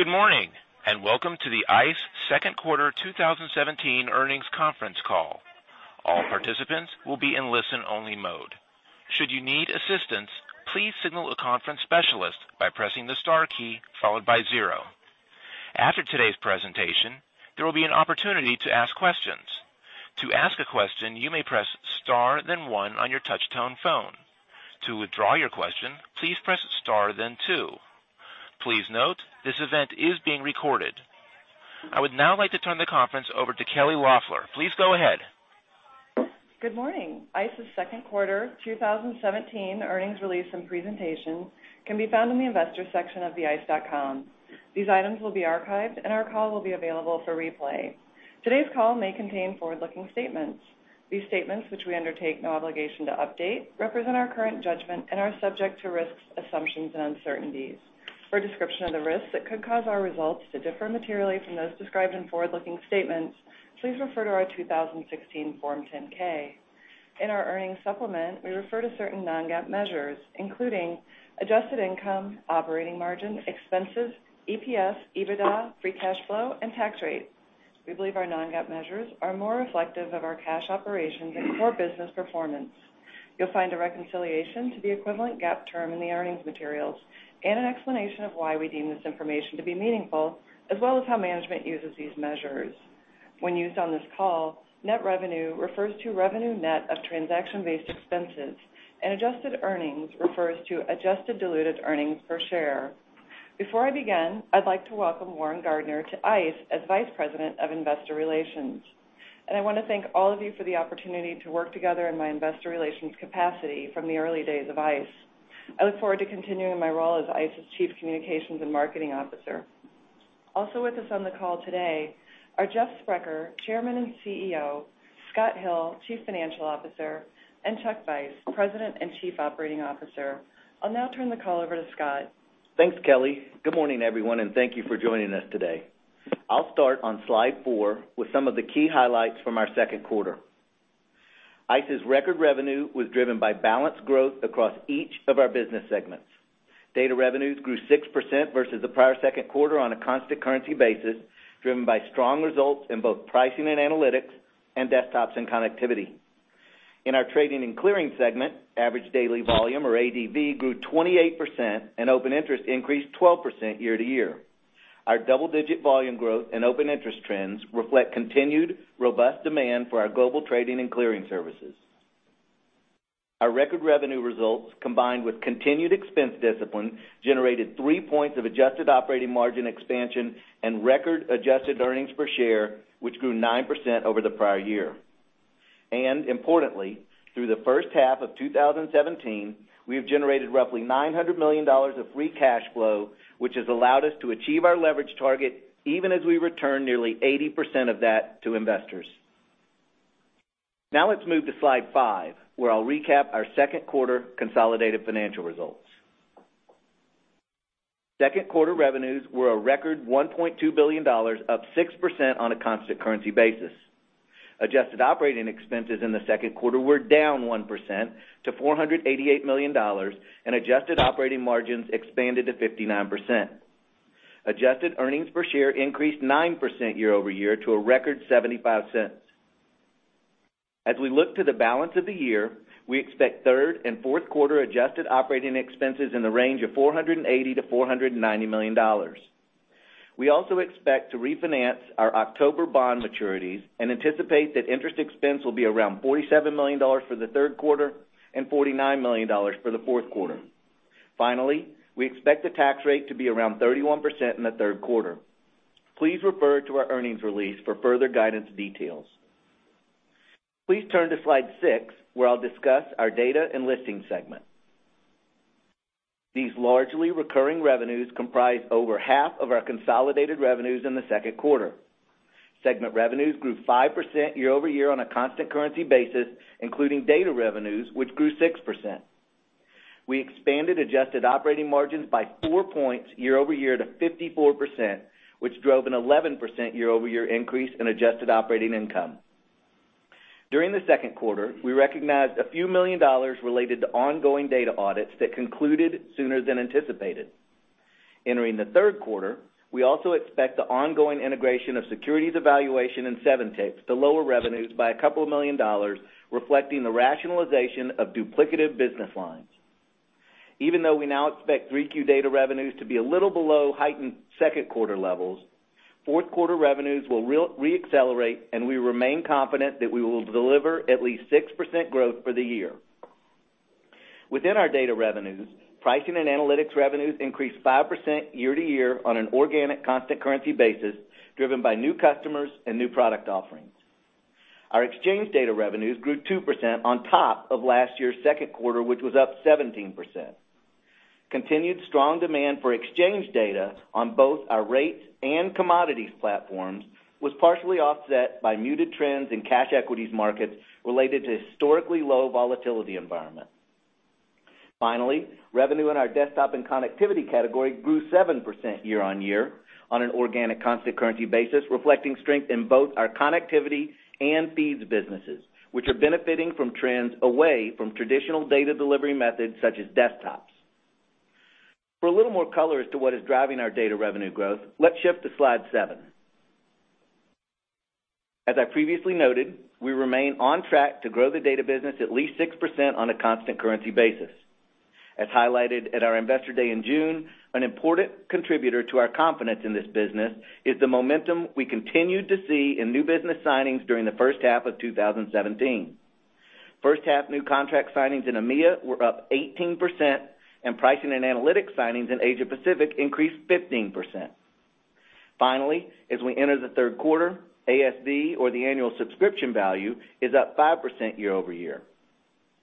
Good morning. Welcome to the ICE second quarter 2017 earnings conference call. All participants will be in listen-only mode. Should you need assistance, please signal a conference specialist by pressing the star key followed by zero. After today's presentation, there will be an opportunity to ask questions. To ask a question, you may press star then one on your touch-tone phone. To withdraw your question, please press star then two. Please note, this event is being recorded. I would now like to turn the conference over to Kelly Loeffler. Please go ahead. Good morning. ICE's second quarter 2017 earnings release and presentation can be found in the Investors section of ice.com. These items will be archived and our call will be available for replay. Today's call may contain forward-looking statements. These statements, which we undertake no obligation to update, represent our current judgment and are subject to risks, assumptions, and uncertainties. For a description of the risks that could cause our results to differ materially from those described in forward-looking statements, please refer to our 2016 Form 10-K. In our earnings supplement, we refer to certain non-GAAP measures, including adjusted income, operating margin, expenses, EPS, EBITDA, free cash flow, and tax rate. We believe our non-GAAP measures are more reflective of our cash operations and core business performance. You'll find a reconciliation to the equivalent GAAP term in the earnings materials and an explanation of why we deem this information to be meaningful, as well as how management uses these measures. When used on this call, net revenue refers to revenue net of transaction-based expenses, and adjusted earnings refers to adjusted diluted earnings per share. Before I begin, I'd like to welcome Warren Gardiner to ICE as Vice President of Investor Relations. I want to thank all of you for the opportunity to work together in my investor relations capacity from the early days of ICE. I look forward to continuing my role as ICE's Chief Communications and Marketing Officer. Also with us on the call today are Jeff Sprecher, Chairman and CEO, Scott Hill, Chief Financial Officer, and Chuck Vice, President and Chief Operating Officer. I'll now turn the call over to Scott. Thanks, Kelly. Good morning, everyone. Thank you for joining us today. I'll start on slide four with some of the key highlights from our second quarter. ICE's record revenue was driven by balanced growth across each of our business segments. Data revenues grew 6% versus the prior second quarter on a constant currency basis, driven by strong results in both pricing and analytics and desktops and connectivity. In our trading and clearing segment, average daily volume, or ADV, grew 28% and open interest increased 12% year-to-year. Our double-digit volume growth and open interest trends reflect continued robust demand for our global trading and clearing services. Our record revenue results, combined with continued expense discipline, generated three points of adjusted operating margin expansion and record adjusted earnings per share, which grew 9% over the prior year. Importantly, through the first half of 2017, we have generated roughly $900 million of free cash flow, which has allowed us to achieve our leverage target even as we return nearly 80% of that to investors. Let's move to slide five, where I'll recap our second quarter consolidated financial results. Second quarter revenues were a record $1.2 billion, up 6% on a constant currency basis. Adjusted operating expenses in the second quarter were down 1% to $488 million, and adjusted operating margins expanded to 59%. Adjusted earnings per share increased 9% year-over-year to a record $0.75. As we look to the balance of the year, we expect third and fourth quarter adjusted operating expenses in the range of $480 million-$490 million. We also expect to refinance our October bond maturities and anticipate that interest expense will be around $47 million for the third quarter and $49 million for the fourth quarter. We expect the tax rate to be around 31% in the third quarter. Please refer to our earnings release for further guidance details. Please turn to slide six, where I'll discuss our data and listing segment. These largely recurring revenues comprise over half of our consolidated revenues in the second quarter. Segment revenues grew 5% year-over-year on a constant currency basis, including data revenues, which grew 6%. We expanded adjusted operating margins by four points year-over-year to 54%, which drove an 11% year-over-year increase in adjusted operating income. During the second quarter, we recognized a few million dollars related to ongoing data audits that concluded sooner than anticipated. Entering the third quarter, we also expect the ongoing integration of Securities Evaluations and SVTAP to lower revenues by a couple of million dollars, reflecting the rationalization of duplicative business lines. Even though we now expect 3Q data revenues to be a little below heightened second quarter levels, fourth quarter revenues will re-accelerate, and we remain confident that we will deliver at least 6% growth for the year. Within our data revenues, pricing and analytics revenues increased 5% year-to-year on an organic constant currency basis, driven by new customers and new product offerings. Our exchange data revenues grew 2% on top of last year's second quarter, which was up 17%. Continued strong demand for exchange data on both our rates and commodities platforms was partially offset by muted trends in cash equities markets related to historically low volatility environment. Revenue in our desktop and connectivity category grew 7% year-on-year on an organic constant currency basis, reflecting strength in both our connectivity and feeds businesses, which are benefiting from trends away from traditional data delivery methods such as desktops. For a little more color as to what is driving our data revenue growth, let's shift to slide seven. As I previously noted, we remain on track to grow the data business at least 6% on a constant currency basis. As highlighted at our investor day in June, an important contributor to our confidence in this business is the momentum we continued to see in new business signings during the first half of 2017. First half new contract signings in EMEA were up 18%, and pricing and analytics signings in Asia Pacific increased 15%. Finally, as we enter the third quarter, ASV, or the annual subscription value, is up 5% year-over-year.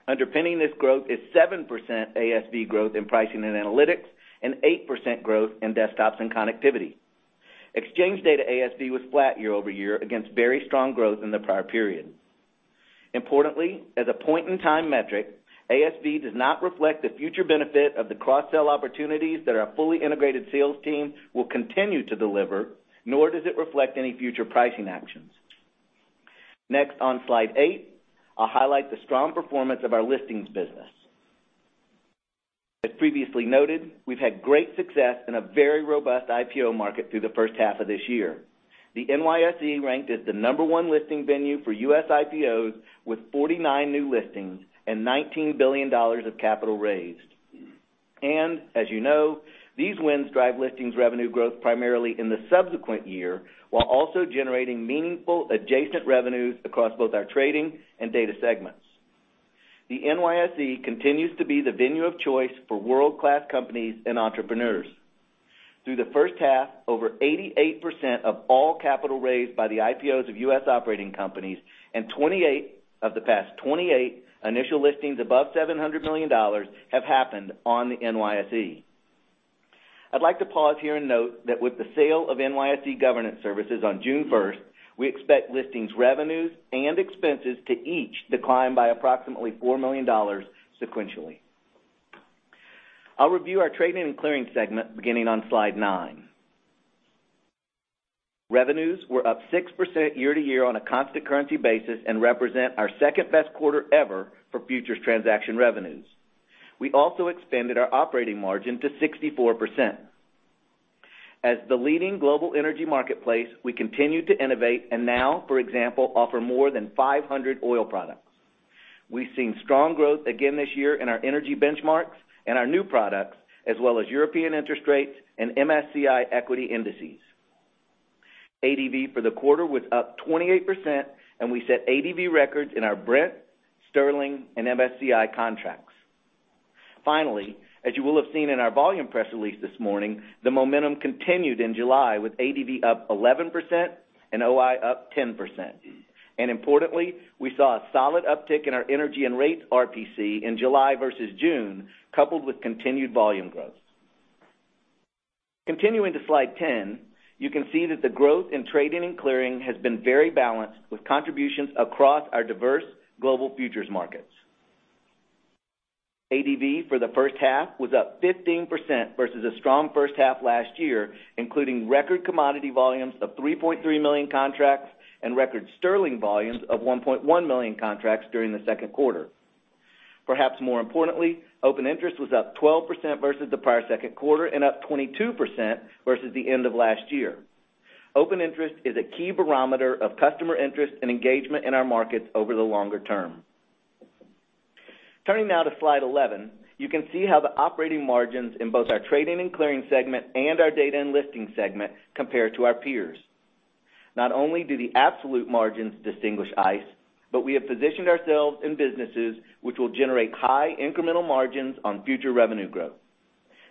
Underpinning this growth is 7% ASV growth in pricing and analytics, and 8% growth in desktops and connectivity. Exchange data ASV was flat year-over-year against very strong growth in the prior period. Importantly, as a point-in-time metric, ASV does not reflect the future benefit of the cross-sell opportunities that our fully integrated sales team will continue to deliver, nor does it reflect any future pricing actions. Next, on slide eight, I'll highlight the strong performance of our listings business. As previously noted, we've had great success in a very robust IPO market through the first half of this year. The NYSE ranked as the number one listing venue for U.S. IPOs with 49 new listings and $19 billion of capital raised. As you know, these wins drive listings revenue growth primarily in the subsequent year, while also generating meaningful adjacent revenues across both our trading and data segments. The NYSE continues to be the venue of choice for world-class companies and entrepreneurs. Through the first half, over 88% of all capital raised by the IPOs of U.S. operating companies and 28 of the past 28 initial listings above $700 million have happened on the NYSE. I'd like to pause here and note that with the sale of NYSE Governance Services on June 1st, we expect listings revenues and expenses to each decline by approximately $4 million sequentially. I'll review our trading and clearing segment beginning on slide nine. Revenues were up 6% year-to-year on a constant currency basis and represent our second-best quarter ever for futures transaction revenues. We also expanded our operating margin to 64%. As the leading global energy marketplace, we continued to innovate and now, for example, offer more than 500 oil products. We've seen strong growth again this year in our energy benchmarks and our new products, as well as European interest rates and MSCI equity indices. ADV for the quarter was up 28%, and we set ADV records in our Brent, Sterling, and MSCI contracts. Finally, as you will have seen in our volume press release this morning, the momentum continued in July, with ADV up 11% and OI up 10%. Importantly, we saw a solid uptick in our energy and rates RPC in July versus June, coupled with continued volume growth. Continuing to slide 10, you can see that the growth in trading and clearing has been very balanced, with contributions across our diverse global futures markets. ADV for the first half was up 15% versus a strong first half last year, including record commodity volumes of 3.3 million contracts and record Sterling volumes of 1.1 million contracts during the second quarter. Perhaps more importantly, open interest was up 12% versus the prior second quarter and up 22% versus the end of last year. Open interest is a key barometer of customer interest and engagement in our markets over the longer term. Turning now to slide 11, you can see how the operating margins in both our trading and clearing segment and our data and listing segment compare to our peers. Not only do the absolute margins distinguish ICE, but we have positioned ourselves in businesses which will generate high incremental margins on future revenue growth.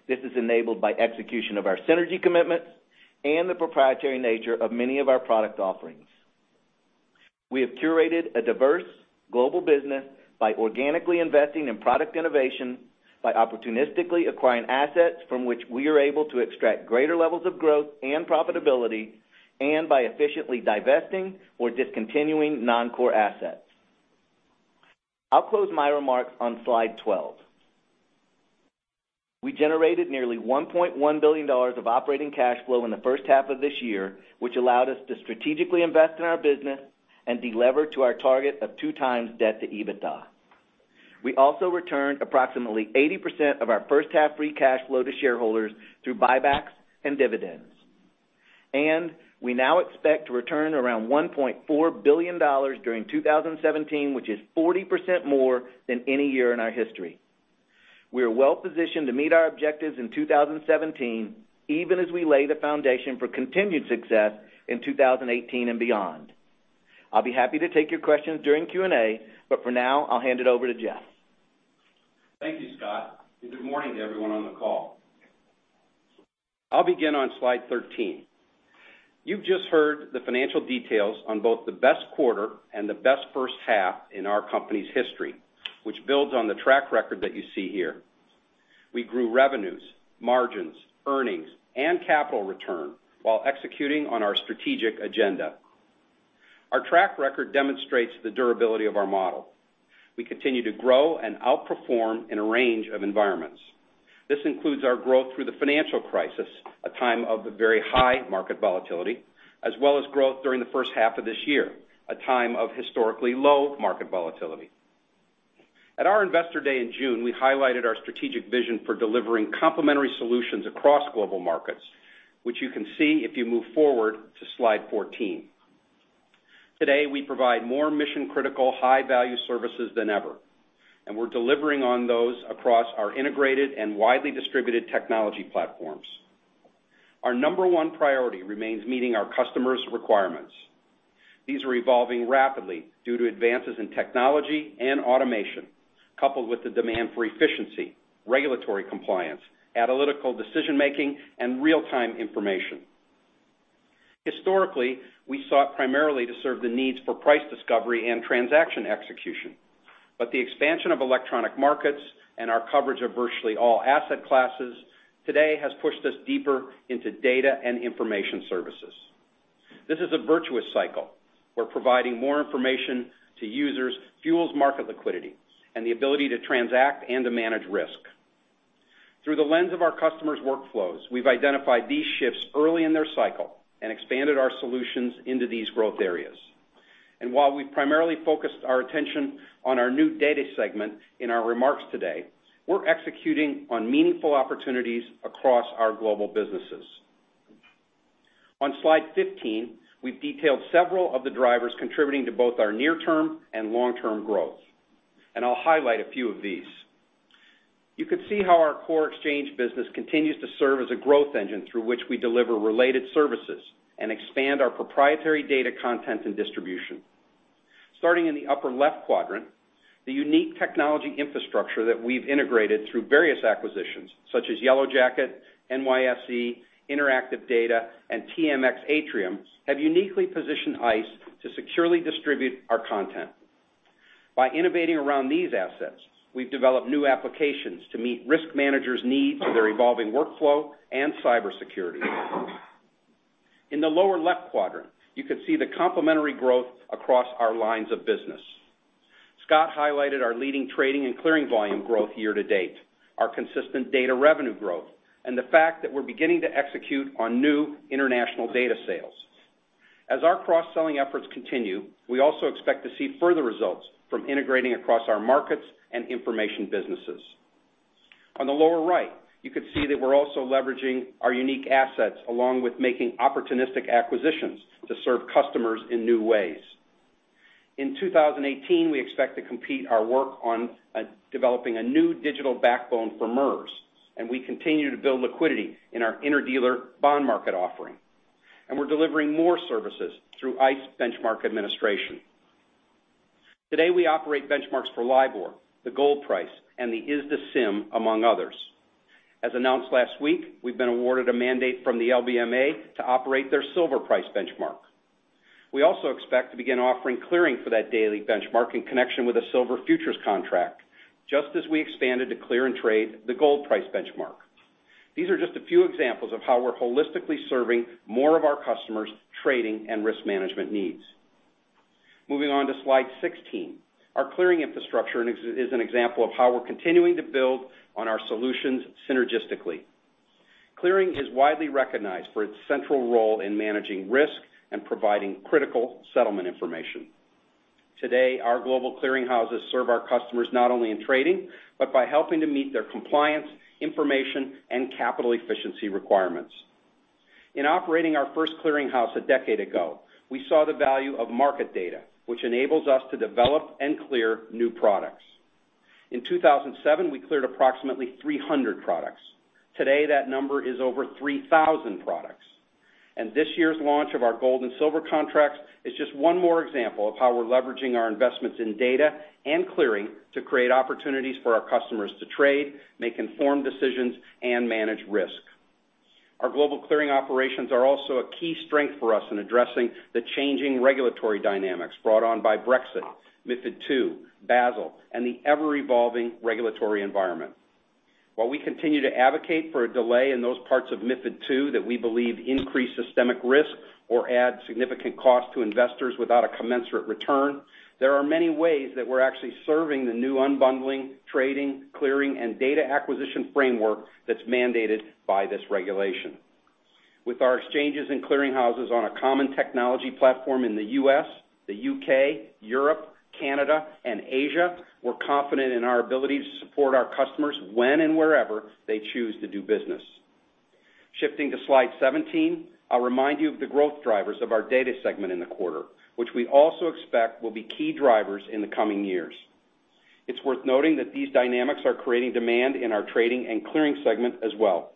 This is enabled by execution of our synergy commitments and the proprietary nature of many of our product offerings. We have curated a diverse global business by organically investing in product innovation, by opportunistically acquiring assets from which we are able to extract greater levels of growth and profitability, and by efficiently divesting or discontinuing non-core assets. I'll close my remarks on slide 12. We generated nearly $1.1 billion of operating cash flow in the first half of this year, which allowed us to strategically invest in our business and delever to our target of 2 times debt to EBITDA. We also returned approximately 80% of our first half free cash flow to shareholders through buybacks and dividends. We now expect to return around $1.4 billion during 2017, which is 40% more than any year in our history. We are well positioned to meet our objectives in 2017, even as we lay the foundation for continued success in 2018 and beyond. I'll be happy to take your questions during Q&A, but for now, I'll hand it over to Jeff. Thank you, Scott, and good morning to everyone on the call. I'll begin on slide 13. You've just heard the financial details on both the best quarter and the best first half in our company's history, which builds on the track record that you see here. We grew revenues, margins, earnings, and capital return while executing on our strategic agenda. Our track record demonstrates the durability of our model. We continue to grow and outperform in a range of environments. This includes our growth through the financial crisis, a time of very high market volatility, as well as growth during the first half of this year, a time of historically low market volatility. At our Investor Day in June, we highlighted our strategic vision for delivering complementary solutions across global markets, which you can see if you move forward to slide 14. Today, we provide more mission-critical, high-value services than ever. We're delivering on those across our integrated and widely distributed technology platforms. Our number 1 priority remains meeting our customers' requirements. These are evolving rapidly due to advances in technology and automation, coupled with the demand for efficiency, regulatory compliance, analytical decision-making, and real-time information. Historically, we sought primarily to serve the needs for price discovery and transaction execution. The expansion of electronic markets and our coverage of virtually all asset classes today has pushed us deeper into data and information services. This is a virtuous cycle, where providing more information to users fuels market liquidity and the ability to transact and to manage risk. Through the lens of our customers' workflows, we've identified these shifts early in their cycle and expanded our solutions into these growth areas. While we've primarily focused our attention on our new data segment in our remarks today, we're executing on meaningful opportunities across our global businesses. On slide 15, we've detailed several of the drivers contributing to both our near-term and long-term growth. I'll highlight a few of these. You can see how our core exchange business continues to serve as a growth engine through which we deliver related services and expand our proprietary data content and distribution. Starting in the upper left quadrant, the unique technology infrastructure that we've integrated through various acquisitions, such as YellowJacket, NYSE, Interactive Data, and TMX Atrium, have uniquely positioned ICE to securely distribute our content. By innovating around these assets, we've developed new applications to meet risk managers' needs for their evolving workflow and cybersecurity. In the lower left quadrant, you can see the complementary growth across our lines of business. Scott highlighted our leading trading and clearing volume growth year-to-date, our consistent data revenue growth, and the fact that we're beginning to execute on new international data sales. Our cross-selling efforts continue, we also expect to see further results from integrating across our markets and information businesses. On the lower right, you can see that we're also leveraging our unique assets along with making opportunistic acquisitions to serve customers in new ways. In 2018, we expect to complete our work on developing a new digital backbone for MERS, and we continue to build liquidity in our inter-dealer bond market offering. We're delivering more services through ICE Benchmark Administration. Today, we operate benchmarks for LIBOR, the gold price, and the ISDAFIX, among others. As announced last week, we've been awarded a mandate from the LBMA to operate their silver price benchmark. We also expect to begin offering clearing for that daily benchmark in connection with a silver futures contract, just as we expanded to clear and trade the gold price benchmark. These are just a few examples of how we're holistically serving more of our customers' trading and risk management needs. Moving on to slide 16. Our clearing infrastructure is an example of how we're continuing to build on our solutions synergistically. Clearing is widely recognized for its central role in managing risk and providing critical settlement information. Today, our global clearing houses serve our customers not only in trading, but by helping to meet their compliance, information, and capital efficiency requirements. In operating our first clearing house a decade ago, we saw the value of market data, which enables us to develop and clear new products. In 2007, we cleared approximately 300 products. Today, that number is over 3,000 products. This year's launch of our gold and silver contracts is just one more example of how we're leveraging our investments in data and clearing to create opportunities for our customers to trade, make informed decisions, and manage risk. Our global clearing operations are also a key strength for us in addressing the changing regulatory dynamics brought on by Brexit, MiFID II, Basel, and the ever-evolving regulatory environment. While we continue to advocate for a delay in those parts of MiFID II that we believe increase systemic risk or add significant cost to investors without a commensurate return, there are many ways that we're actually serving the new unbundling, trading, clearing, and data acquisition framework that's mandated by this regulation. With our exchanges and clearing houses on a common technology platform in the U.S., the U.K., Europe, Canada, and Asia, we're confident in our ability to support our customers when and wherever they choose to do business. Shifting to slide 17, I'll remind you of the growth drivers of our data segment in the quarter, which we also expect will be key drivers in the coming years. It's worth noting that these dynamics are creating demand in our trading and clearing segment as well.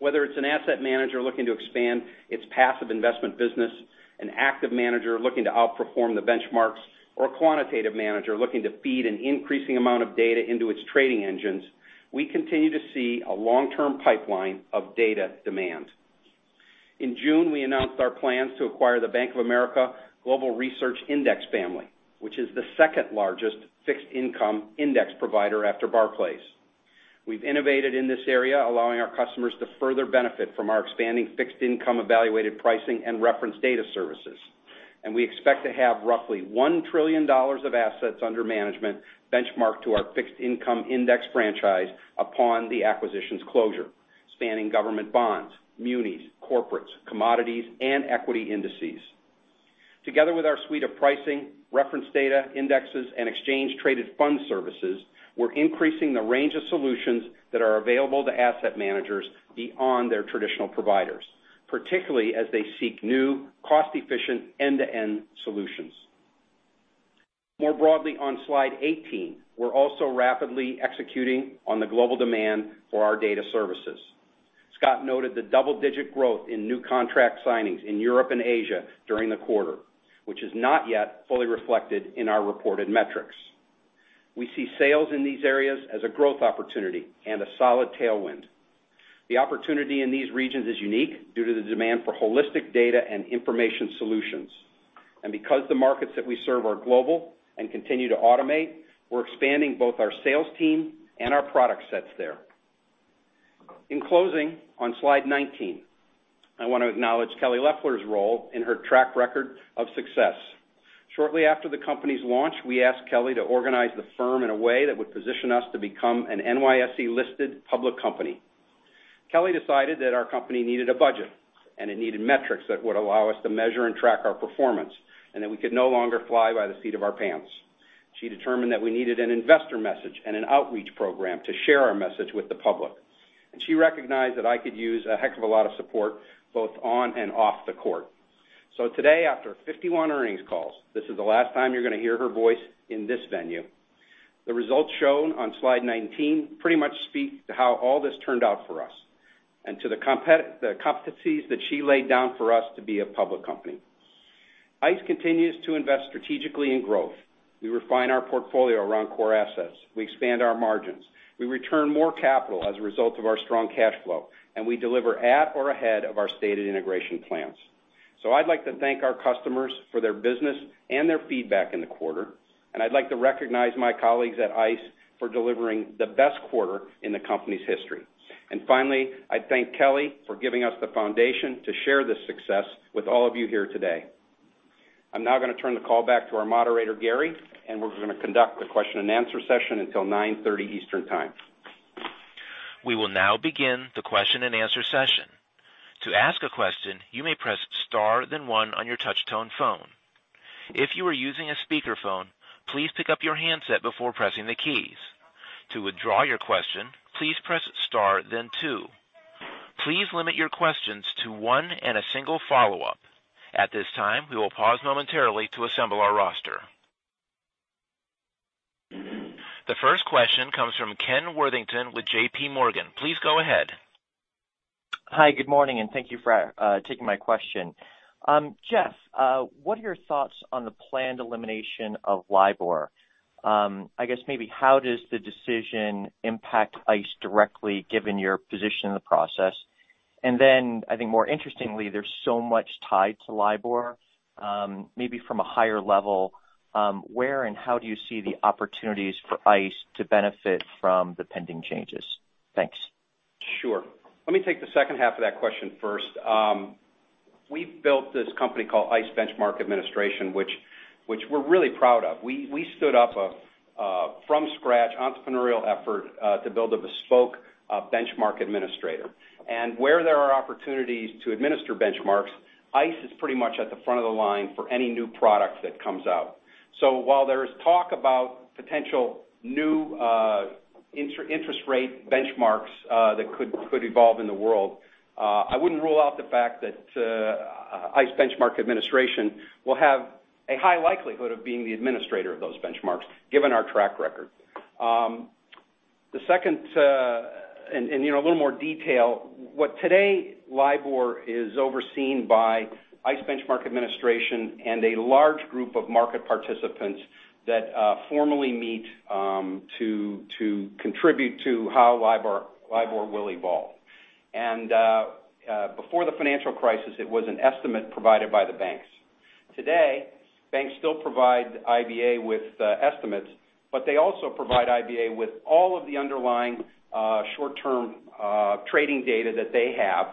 Whether it's an asset manager looking to expand its passive investment business, an active manager looking to outperform the benchmarks, or a quantitative manager looking to feed an increasing amount of data into its trading engines, we continue to see a long-term pipeline of data demand. In June, we announced our plans to acquire the Bank of America Global Research Index family, which is the second-largest fixed income index provider after Barclays. We've innovated in this area, allowing our customers to further benefit from our expanding fixed income evaluated pricing and reference data services. We expect to have roughly $1 trillion of assets under management benchmarked to our fixed income index franchise upon the acquisition's closure, spanning government bonds, munis, corporates, commodities, and equity indices. Together with our suite of pricing, reference data, indexes, and exchange traded fund services, we're increasing the range of solutions that are available to asset managers beyond their traditional providers, particularly as they seek new cost-efficient end-to-end solutions. More broadly, on slide 18, we're also rapidly executing on the global demand for our data services. Scott noted the double-digit growth in new contract signings in Europe and Asia during the quarter, which is not yet fully reflected in our reported metrics. We see sales in these areas as a growth opportunity and a solid tailwind. The opportunity in these regions is unique due to the demand for holistic data and information solutions. Because the markets that we serve are global and continue to automate, we're expanding both our sales team and our product sets there. In closing, on slide 19, I want to acknowledge Kelly Loeffler's role and her track record of success. Shortly after the company's launch, we asked Kelly to organize the firm in a way that would position us to become an NYSE-listed public company. Kelly decided that our company needed a budget, it needed metrics that would allow us to measure and track our performance, and that we could no longer fly by the seat of our pants. She determined that we needed an investor message and an outreach program to share our message with the public. She recognized that I could use a heck of a lot of support, both on and off the court. Today, after 51 earnings calls, this is the last time you're going to hear her voice in this venue. The results shown on slide 19 pretty much speak to how all this turned out for us and to the competencies that she laid down for us to be a public company. ICE continues to invest strategically in growth. We refine our portfolio around core assets. We expand our margins. We return more capital as a result of our strong cash flow, and we deliver at or ahead of our stated integration plans. I'd like to thank our customers for their business and their feedback in the quarter, and I'd like to recognize my colleagues at ICE for delivering the best quarter in the company's history. Finally, I thank Kelly for giving us the foundation to share this success with all of you here today. I'm now going to turn the call back to our moderator, Gary, and we're going to conduct the question and answer session until 9:30 A.M. Eastern Time. We will now begin the question and answer session. To ask a question, you may press star then one on your touch tone phone. If you are using a speakerphone, please pick up your handset before pressing the keys. To withdraw your question, please press star then two. Please limit your questions to one and a single follow-up. At this time, we will pause momentarily to assemble our roster. The first question comes from Ken Worthington with JPMorgan. Please go ahead. Hi, good morning, thank you for taking my question. Jeff, what are your thoughts on the planned elimination of LIBOR? I guess maybe how does the decision impact ICE directly given your position in the process? I think more interestingly, there's so much tied to LIBOR. Maybe from a higher level, where and how do you see the opportunities for ICE to benefit from the pending changes? Thanks. Sure. Let me take the second half of that question first. We built this company called ICE Benchmark Administration, which we're really proud of. We stood up from scratch, entrepreneurial effort, to build a bespoke benchmark administrator. Where there are opportunities to administer benchmarks, ICE is pretty much at the front of the line for any new product that comes out. While there is talk about potential new interest rate benchmarks that could evolve in the world, I wouldn't rule out the fact that ICE Benchmark Administration will have a high likelihood of being the administrator of those benchmarks, given our track record. The second, a little more detail, LIBOR is overseen by ICE Benchmark Administration and a large group of market participants that formally meet to contribute to how LIBOR will evolve. Before the financial crisis, it was an estimate provided by the banks. Today, banks still provide IBA with estimates, but they also provide IBA with all of the underlying short-term trading data that they have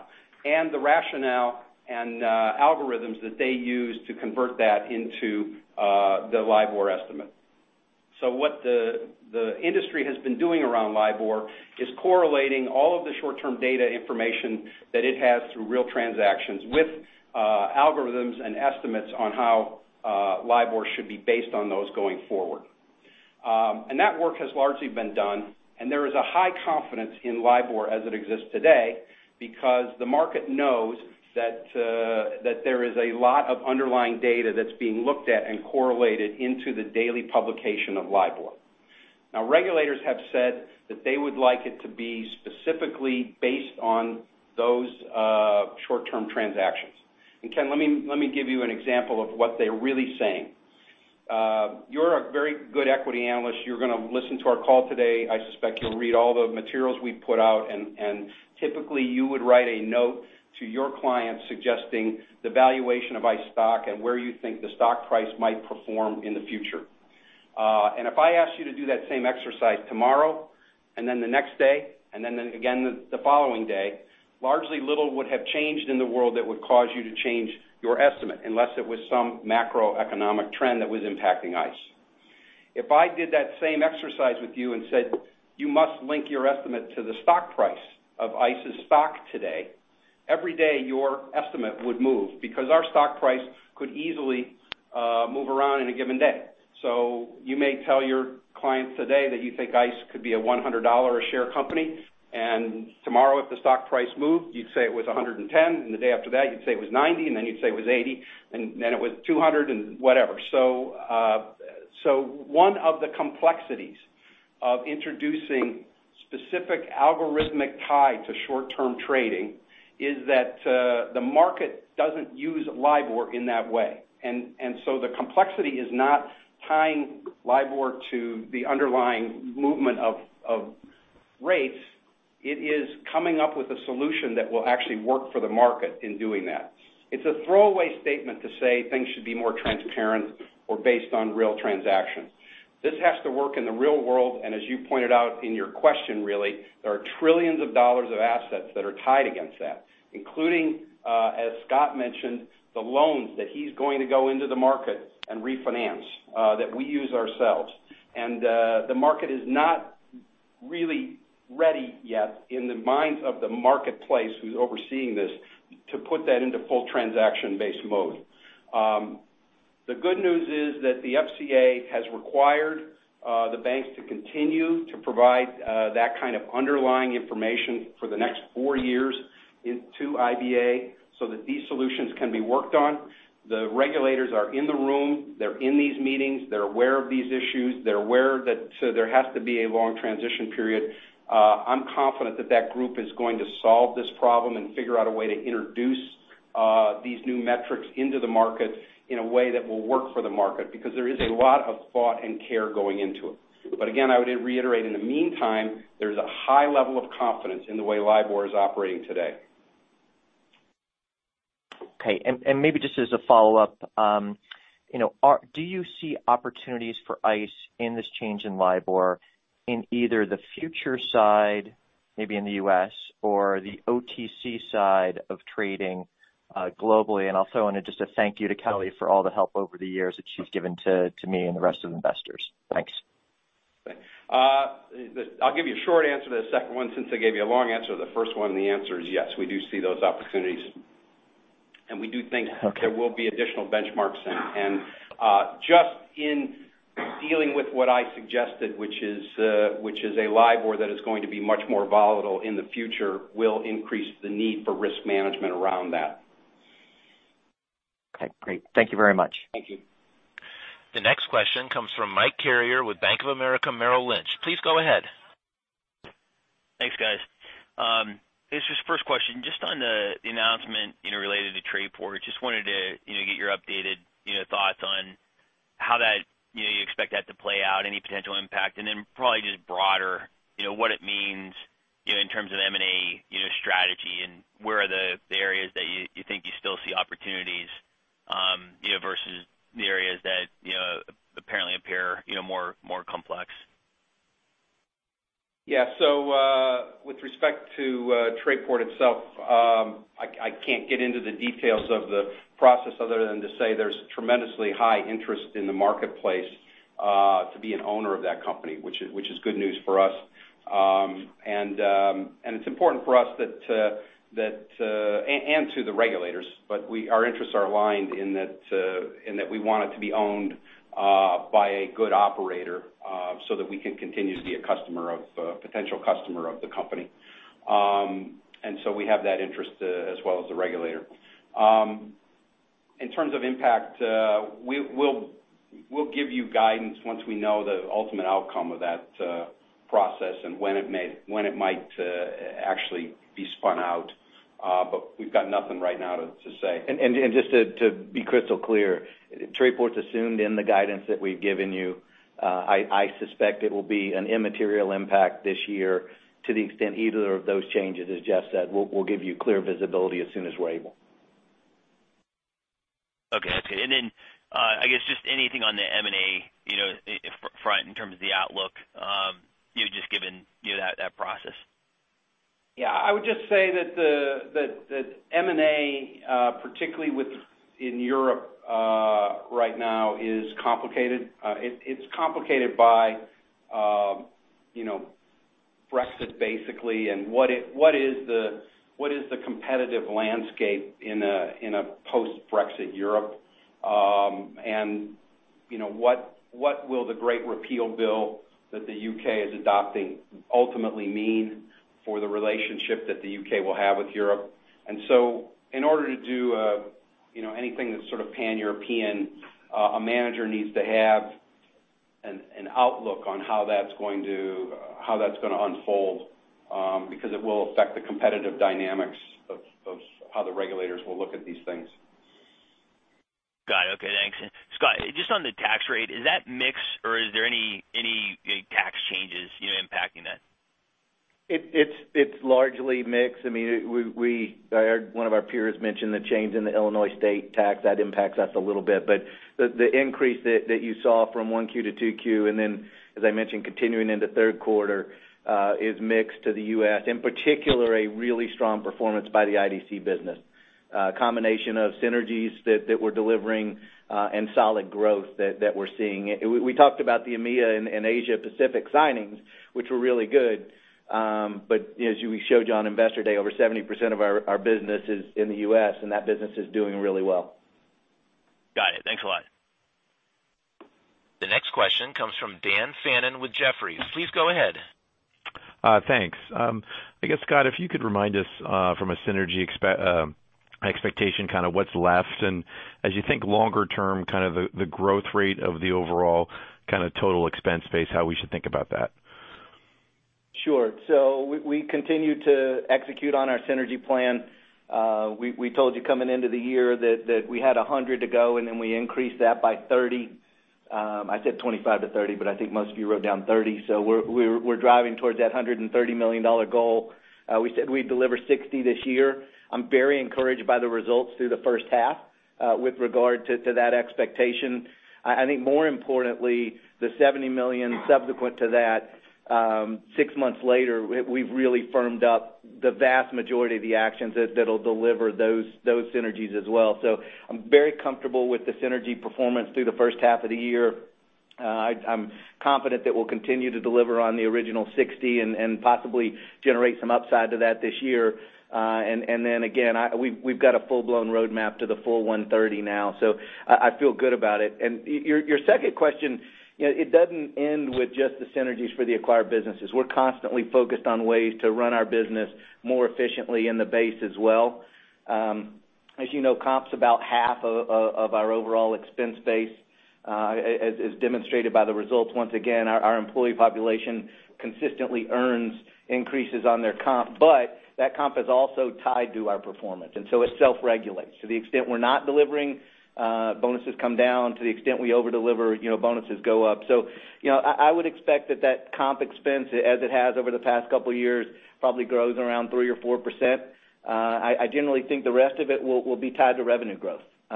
and the rationale and algorithms that they use to convert that into the LIBOR estimate. What the industry has been doing around LIBOR is correlating all of the short-term data information that it has through real transactions with algorithms and estimates on how LIBOR should be based on those going forward. That work has largely been done, and there is a high confidence in LIBOR as it exists today because the market knows that there is a lot of underlying data that's being looked at and correlated into the daily publication of LIBOR. Regulators have said that they would like it to be specifically based on those short-term transactions. Ken, let me give you an example of what they're really saying. You're a very good equity analyst. You're going to listen to our call today. I suspect you'll read all the materials we put out, and typically, you would write a note to your clients suggesting the valuation of ICE stock and where you think the stock price might perform in the future. If I ask you to do that same exercise tomorrow and then the next day and then again the following day, largely little would have changed in the world that would cause you to change your estimate unless it was some macroeconomic trend that was impacting ICE. If I did that same exercise with you and said, "You must link your estimate to the stock price of ICE's stock today," every day your estimate would move because our stock price could easily move around in a given day. You may tell your clients today that you think ICE could be a $100 a share company, and tomorrow if the stock price moved, you'd say it was $110, and the day after that, you'd say it was $90, and then you'd say it was $80, and then it was $200 and whatever. One of the complexities of introducing specific algorithmic tie to short-term trading is that the market doesn't use LIBOR in that way. The complexity is not tying LIBOR to the underlying movement of rates. It is coming up with a solution that will actually work for the market in doing that. It's a throwaway statement to say things should be more transparent or based on real transactions. This has to work in the real world, and as you pointed out in your question really, there are trillions of dollars of assets that are tied against that, including, as Scott mentioned, the loans that he's going to go into the market and refinance, that we use ourselves. The market is not really ready yet in the minds of the marketplace who's overseeing this to put that into full transaction-based mode. The good news is that the FCA has required the banks to continue to provide that kind of underlying information for the next four years to IBA so that these solutions can be worked on. The regulators are in the room. They're in these meetings. They're aware of these issues. They're aware that there has to be a long transition period. I'm confident that that group is going to solve this problem and figure out a way to introduce these new metrics into the market in a way that will work for the market, because there is a lot of thought and care going into it. Again, I would reiterate, in the meantime, there's a high level of confidence in the way LIBOR is operating today. Okay. Maybe just as a follow-up, do you see opportunities for ICE in this change in LIBOR in either the future side, maybe in the U.S., or the OTC side of trading globally? Also, I wanted just a thank you to Kelly for all the help over the years that she's given to me and the rest of the investors. Thanks. I'll give you a short answer to the second one since I gave you a long answer to the first one. The answer is yes. We do see those opportunities. Okay there will be additional benchmarks then. Just in dealing with what I suggested, which is a LIBOR that is going to be much more volatile in the future, will increase the need for risk management around that. Okay, great. Thank you very much. Thank you. The next question comes from Mike Carrier with Bank of America Merrill Lynch. Please go ahead. Thanks, guys. This is first question, just on the announcement related to Trayport, just wanted to get your updated thoughts on how you expect that to play out, any potential impact? Probably just broader, what it means in terms of M&A strategy and where are the areas that you think you still see opportunities versus the areas that apparently appear more complex? Yeah. With respect to Trayport itself, I can't get into the details of the process other than to say there's tremendously high interest in the marketplace to be an owner of that company, which is good news for us. It's important for us and to the regulators, our interests are aligned in that we want it to be owned by a good operator, so that we can continue to be a potential customer of the company. We have that interest as well as the regulator. In terms of impact, we'll give you guidance once we know the ultimate outcome of that process and when it might actually be spun out. We've got nothing right now to say. Just to be crystal clear, Trayport's assumed in the guidance that we've given you. I suspect it will be an immaterial impact this year to the extent either of those changes, as Jeff said, we'll give you clear visibility as soon as we're able. Okay, that's good. I guess just anything on the M&A front in terms of the outlook, just given that process. Yeah. I would just say that M&A, particularly in Europe right now, is complicated. It's complicated by Brexit basically, what is the competitive landscape in a post-Brexit Europe? What will the Great Repeal Bill that the U.K. is adopting ultimately mean for the relationship that the U.K. will have with Europe? In order to do anything that's sort of pan-European, a manager needs to have an outlook on how that's going to unfold, because it will affect the competitive dynamics of how the regulators will look at these things. Got it. Okay, thanks. Scott, just on the tax rate, is that mix or is there any big tax changes impacting that? It's largely mixed. I heard one of our peers mention the change in the Illinois state tax. That impacts us a little bit. The increase that you saw from 1Q to 2Q, as I mentioned, continuing into 3Q, is mixed to the U.S. In particular, a really strong performance by the IDC business. A combination of synergies that we're delivering, and solid growth that we're seeing. We talked about the EMEA and Asia Pacific signings, which were really good. As we showed you on Investor Day, over 70% of our business is in the U.S., and that business is doing really well. Got it. Thanks a lot. Comes from Dan Fannon with Jefferies. Please go ahead. Thanks. I guess, Scott, if you could remind us from a synergy expectation, what's left, and as you think longer term, the growth rate of the overall total expense base, how we should think about that. We continue to execute on our synergy plan. We told you coming into the year that we had $100 to go, we increased that by $30. I said $25 to $30, I think most of you wrote down $30. We're driving towards that $130 million goal. We said we'd deliver $60 this year. I'm very encouraged by the results through the first half with regard to that expectation. I think more importantly, the $70 million subsequent to that, six months later, we've really firmed up the vast majority of the actions that'll deliver those synergies as well. I'm very comfortable with the synergy performance through the first half of the year. I'm confident that we'll continue to deliver on the original $60 and possibly generate some upside to that this year. Again, we've got a full-blown roadmap to the full $130 now, I feel good about it. Your second question, it doesn't end with just the synergies for the acquired businesses. We're constantly focused on ways to run our business more efficiently in the base as well. As you know, comp's about half of our overall expense base, as demonstrated by the results. Once again, our employee population consistently earns increases on their comp. That comp is also tied to our performance, it self-regulates. To the extent we're not delivering, bonuses come down. To the extent we over-deliver, bonuses go up. I would expect that that comp expense, as it has over the past couple of years, probably grows around 3% or 4%. I generally think the rest of it will be tied to revenue growth. A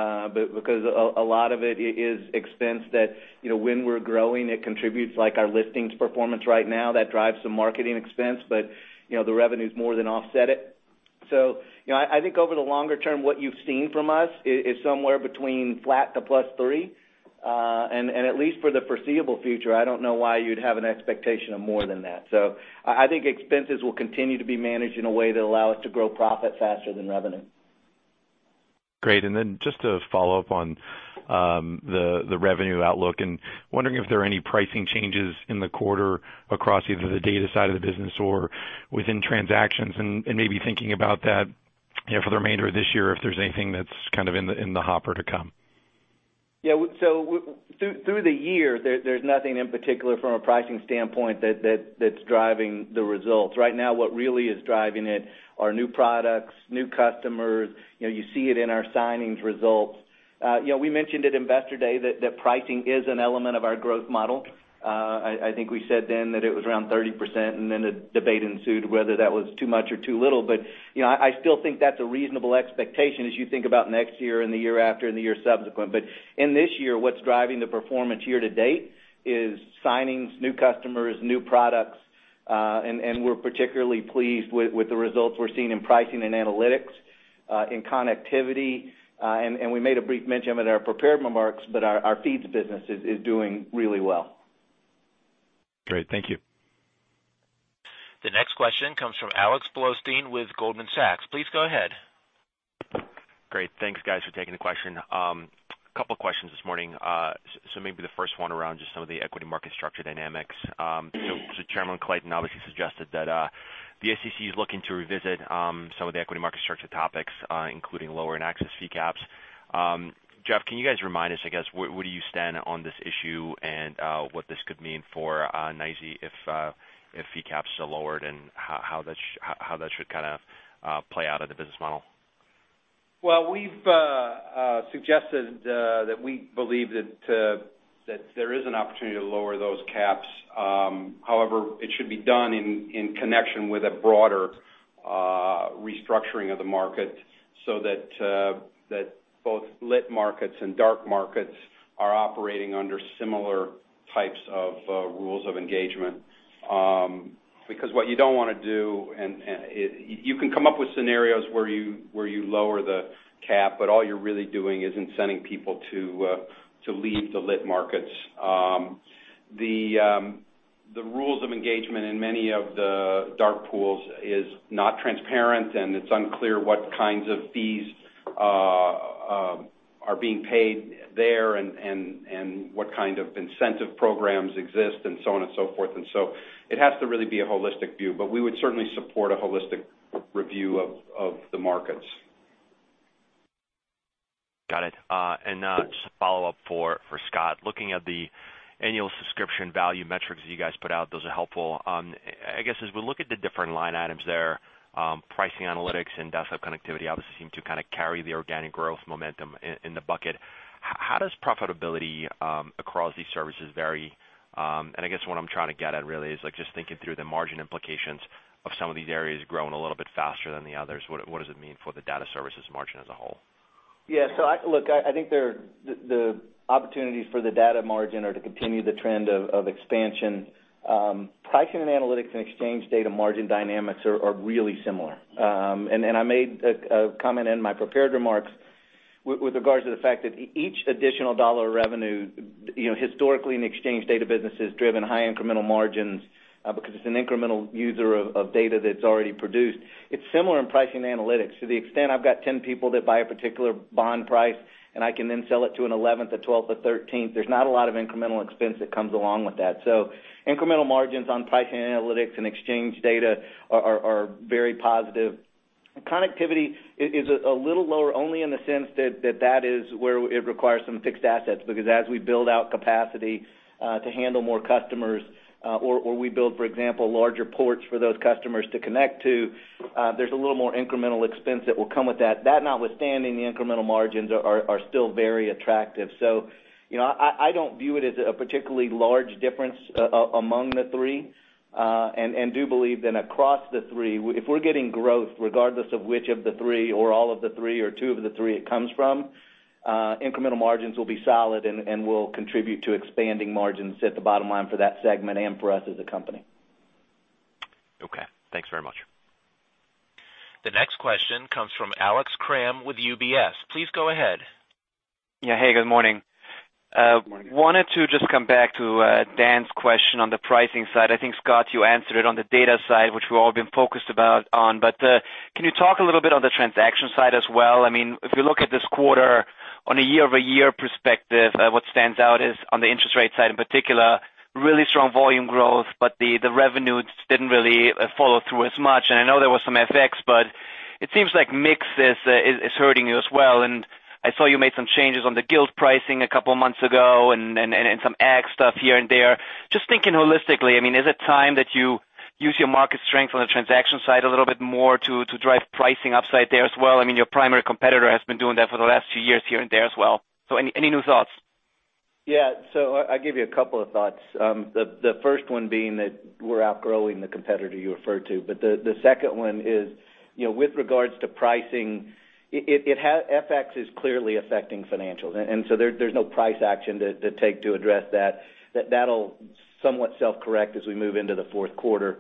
lot of it is expense that when we're growing, it contributes, like our listings performance right now, that drives some marketing expense, the revenues more than offset it. I think over the longer term, what you've seen from us is somewhere between flat to +3%. At least for the foreseeable future, I don't know why you'd have an expectation of more than that. I think expenses will continue to be managed in a way that allow us to grow profit faster than revenue. Great. Just to follow up on the revenue outlook, wondering if there are any pricing changes in the quarter across either the data side of the business or within transactions, maybe thinking about that for the remainder of this year, if there's anything that's in the hopper to come. Yeah. Through the year, there's nothing in particular from a pricing standpoint that's driving the results. Right now, what really is driving it are new products, new customers. You see it in our signings results. We mentioned at Investor Day that pricing is an element of our growth model. I think we said then that it was around 30%, then a debate ensued whether that was too much or too little. I still think that's a reasonable expectation as you think about next year and the year after and the year subsequent. In this year, what's driving the performance year to date is signings, new customers, new products. We're particularly pleased with the results we're seeing in pricing and analytics, in connectivity. We made a brief mention of it in our prepared remarks, but our feeds business is doing really well. Great. Thank you. The next question comes from Alex Blostein with Goldman Sachs. Please go ahead. Great. Thanks, guys, for taking the question. Couple questions this morning. Maybe the first one around just some of the equity market structure dynamics. Chairman Jay Clayton obviously suggested that the SEC is looking to revisit some of the equity market structure topics, including lower and access fee caps. Jeff, can you guys remind us, I guess, where do you stand on this issue and what this could mean for NYSE if fee caps are lowered and how that should play out of the business model? We've suggested that we believe that there is an opportunity to lower those caps. However, it should be done in connection with a broader restructuring of the market so that both lit markets and dark markets are operating under similar types of rules of engagement. What you don't want to do, and you can come up with scenarios where you lower the cap, but all you're really doing is incenting people to leave the lit markets. The rules of engagement in many of the dark pools is not transparent, and it's unclear what kinds of fees are being paid there and what kind of incentive programs exist and so on and so forth and so. It has to really be a holistic view, but we would certainly support a holistic review of the markets. Got it. Just a follow-up for Scott. Looking at the annual subscription value metrics that you guys put out, those are helpful. I guess, as we look at the different line items there, pricing analytics and desktop connectivity obviously seem to carry the organic growth momentum in the bucket. How does profitability across these services vary? I guess what I'm trying to get at really is just thinking through the margin implications of some of these areas growing a little bit faster than the others. What does it mean for the data services margin as a whole? Yeah. I think the opportunities for the data margin are to continue the trend of expansion. Pricing and analytics and exchange data margin dynamics are really similar. I made a comment in my prepared remarks with regards to the fact that each additional $1 of revenue historically in the exchange data business has driven high incremental margins because it's an incremental user of data that's already produced. It's similar in pricing analytics. To the extent I've got 10 people that buy a particular bond price. I can then sell it to an 11th, a 12th, a 13th. There's not a lot of incremental expense that comes along with that. Incremental margins on pricing analytics and exchange data are very positive. Connectivity is a little lower only in the sense that that is where it requires some fixed assets, because as we build out capacity to handle more customers or we build, for example, larger ports for those customers to connect to, there's a little more incremental expense that will come with that. That notwithstanding, the incremental margins are still very attractive. I don't view it as a particularly large difference among the three, and do believe that across the three, if we're getting growth, regardless of which of the three or all of the three or two of the three it comes from, incremental margins will be solid and will contribute to expanding margins at the bottom line for that segment and for us as a company. Okay, thanks very much. The next question comes from Alex Kramm with UBS. Please go ahead. Yeah. Hey, good morning. Good morning. Wanted to just come back to Dan's question on the pricing side. I think, Scott, you answered it on the data side, which we've all been focused on. Can you talk a little bit on the transaction side as well? If you look at this quarter on a year-over-year perspective, what stands out is, on the interest rate side in particular, really strong volume growth, but the revenues didn't really follow through as much. I know there was some FX, but it seems like mix is hurting you as well. I saw you made some changes on the gilt pricing a couple of months ago and some ag stuff here and there. Just thinking holistically, is it time that you use your market strength on the transaction side a little bit more to drive pricing upside there as well? Your primary competitor has been doing that for the last two years here and there as well. Any new thoughts? Yeah. I'll give you a couple of thoughts. The first one being that we're outgrowing the competitor you referred to. The second one is, with regards to pricing, FX is clearly affecting financials. There's no price action to take to address that. That'll somewhat self-correct as we move into the fourth quarter.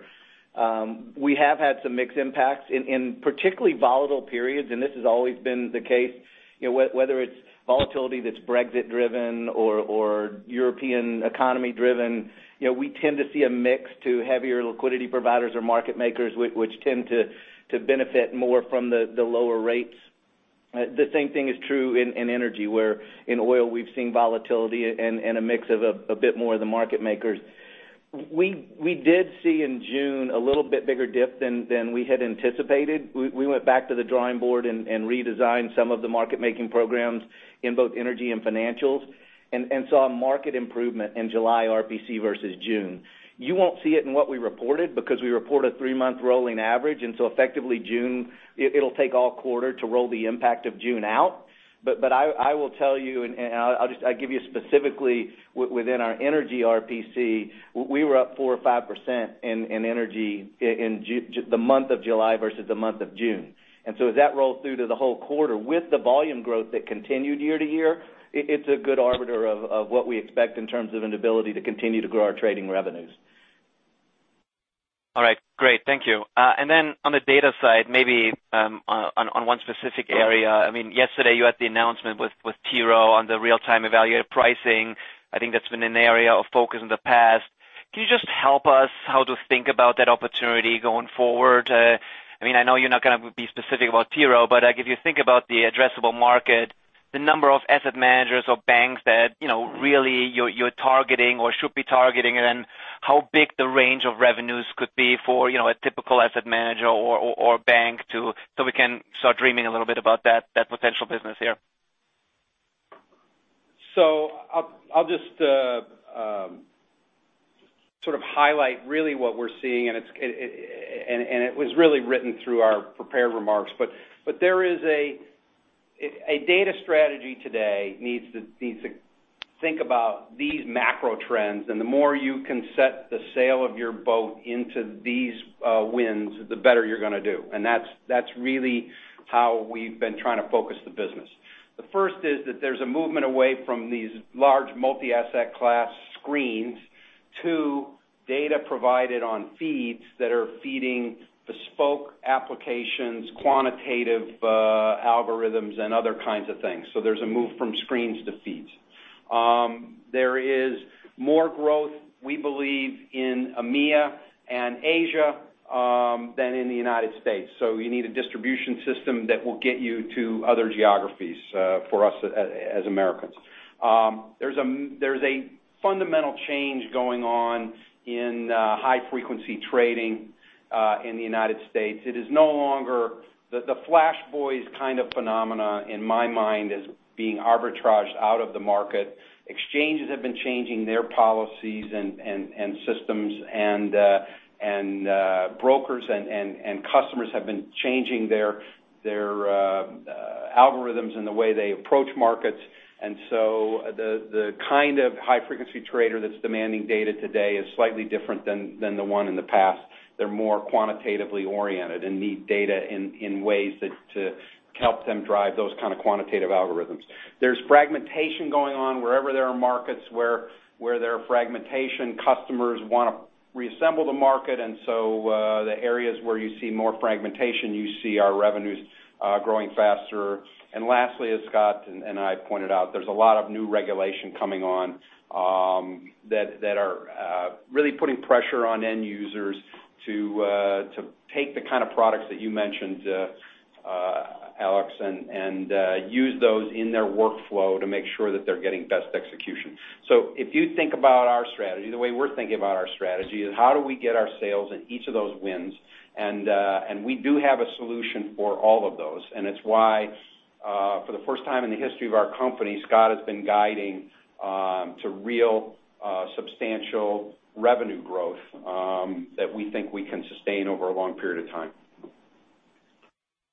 We have had some mixed impacts in particularly volatile periods, and this has always been the case. Whether it's volatility that's Brexit-driven or European economy-driven, we tend to see a mix to heavier liquidity providers or market makers, which tend to benefit more from the lower rates. The same thing is true in energy, where in oil, we've seen volatility and a mix of a bit more of the market makers. We did see in June a little bit bigger dip than we had anticipated. We went back to the drawing board and redesigned some of the market-making programs in both energy and financials and saw market improvement in July RPC versus June. You will not see it in what we reported because we report a three-month rolling average. Effectively June, it will take all quarter to roll the impact of June out. I will tell you, and I will give you specifically within our energy RPC, we were up 4% or 5% in energy in the month of July versus the month of June. As that rolls through to the whole quarter with the volume growth that continued year-over-year, it is a good arbiter of what we expect in terms of an ability to continue to grow our trading revenues. All right. Great. Thank you. On the data side, maybe on one specific area. Yesterday you had the announcement with T. Rowe on the real-time evaluated pricing. I think that has been an area of focus in the past. Can you just help us how to think about that opportunity going forward? I know you are not going to be specific about T. Rowe, but if you think about the addressable market, the number of asset managers or banks that really you are targeting or should be targeting, and then how big the range of revenues could be for a typical asset manager or bank so we can start dreaming a little bit about that potential business here. I will just sort of highlight really what we are seeing, and it was really written through our prepared remarks. A data strategy today needs to think about these macro trends, and the more you can set the sail of your boat into these winds, the better you are going to do. That is really how we have been trying to focus the business. The first is that there is a movement away from these large multi-asset class screens to data provided on feeds that are feeding bespoke applications, quantitative algorithms, and other kinds of things. There is a move from screens to feeds. There is more growth, we believe, in EMEA and Asia than in the U.S. You need a distribution system that will get you to other geographies for us as Americans. There is a fundamental change going on in high-frequency trading in the U.S. The Flash Boys kind of phenomena, in my mind, is being arbitraged out of the market. Exchanges have been changing their policies and systems, and brokers and customers have been changing their algorithms and the way they approach markets. The kind of high-frequency trader that is demanding data today is slightly different than the one in the past. They are more quantitatively oriented and need data in ways that help them drive those kind of quantitative algorithms. There is fragmentation going on wherever there are markets where there are fragmentation, customers want to reassemble the market. The areas where you see more fragmentation, you see our revenues growing faster. Lastly, as Scott and I pointed out, there is a lot of new regulation coming on that are really putting pressure on end users to take the kind of products that you mentioned. use those in their workflow to make sure that they're getting best execution. If you think about our strategy, the way we're thinking about our strategy is how do we get our sales in each of those wins, and we do have a solution for all of those. It's why, for the first time in the history of our company, Scott has been guiding to real, substantial revenue growth that we think we can sustain over a long period of time.